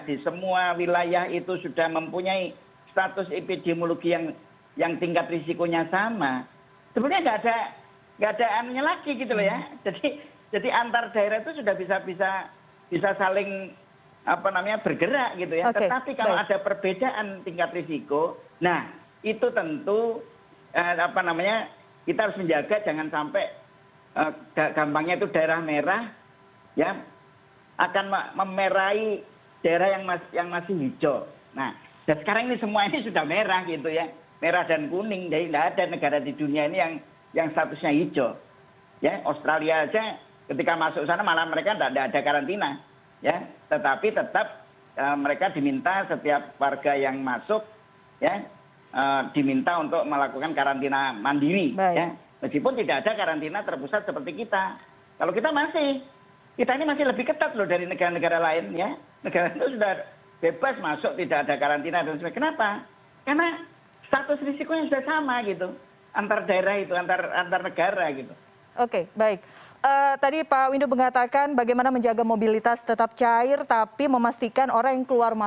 di semua wilayah itu sudah mempunyai status epidemiologi yang tingkat risikonya sama